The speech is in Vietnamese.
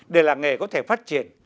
để làng nghề có thể phát triển